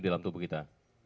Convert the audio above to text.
di dalam tubuh kita